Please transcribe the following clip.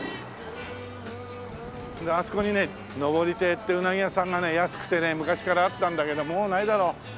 あそこにね登亭ってうなぎ屋さんがね安くてね昔からあったんだけどもうないだろう。